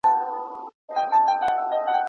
که نجونې عمل وکړي نو خبرې به نه وي تشې.